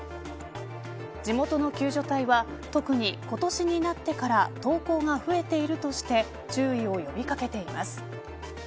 地元の救助隊は特に今年になってから投稿が増えているとして注意を呼び掛けています。